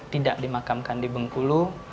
tidak dimakamkan di bengkulu